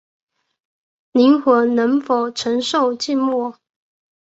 灵魂能否承受寂寞